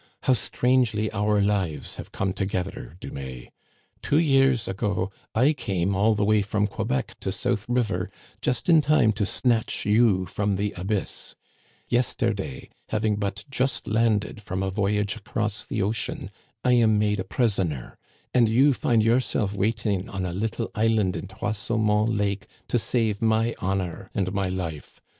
How strangely our lives have come together, Dumais ! Two years ago I came all the way from Quebec to South Digitized by VjOOQIC A NIGHT AMONG THE SAVAGES, 197 River just in time to snatch you from the abyss. Yes terday, having but just landed from a voyage across the ocean, I am made prisoner ; and you find yourself wait ing on a little island in Trois Saumons Lake to save my honor and my life.